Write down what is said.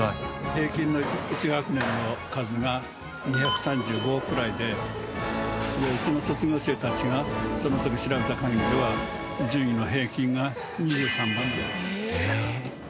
平均の１学年の数が２３５くらいでうちの卒業生たちがその時調べた限りでは順位の平均が２３番ぐらいです。